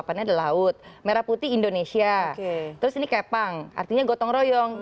tujuh puluh delapan nya ada laut merah putih indonesia terus ini kepang artinya gotong royong